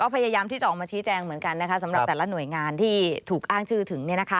พยายามที่จะออกมาชี้แจงเหมือนกันนะคะสำหรับแต่ละหน่วยงานที่ถูกอ้างชื่อถึง